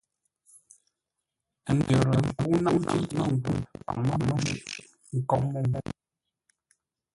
Ə́ ndə̌r ńkə́u ńnáŋ tʉ̌ yi mə́ngwə́nə paŋ mə́ mə́u shʉʼʉ, ə́ nkóʼ mə́u.